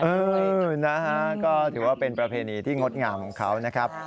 เออนะฮะก็ถือว่าเป็นประเพณีที่งดงามของเขานะครับ